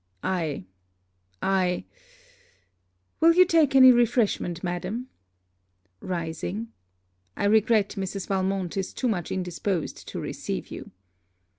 I I Will you take any refreshment, madam?' rising 'I regret Mrs. Valmont is too much indisposed to receive you.